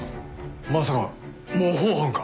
まさか模倣犯か？